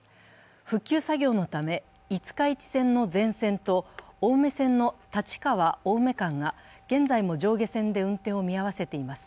復旧作業のため五日市線の全線と青梅線の立川−青梅間が現在も上下線で運転を見合わせています。